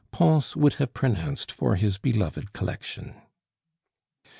Pons would have pronounced for his beloved collection.